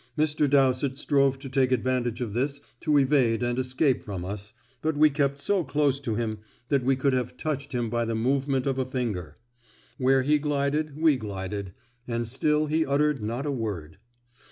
Mr. Dowsett strove to take advantage of this to evade and escape from us, but we kept so close to him that we could have touched him by the movement of a finger; where he glided, we glided; and still he uttered not a word.